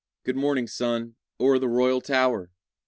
Good morning, sun, o'er the royal tower!